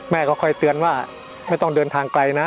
แม่ก็คอยเตือนว่าไม่ต้องเดินทางไกลนะ